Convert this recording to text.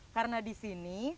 karena di sini